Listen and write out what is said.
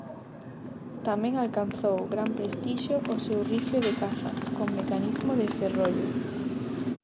Tamén alcanzou gran prestixio o seu rifle de caza, con mecanismo de ferrollo.